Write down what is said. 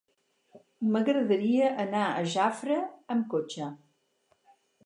M'agradaria anar a Jafre amb cotxe.